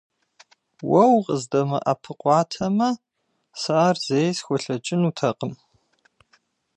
Уэ укъыздэмыӀэпыкъуатэмэ, сэ ар зэи схуэлъэкӀынутэкъым.